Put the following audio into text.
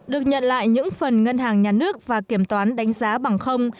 được nhận lại những phần ngân hàng nhà nước và kiểm toán đánh giá bằng không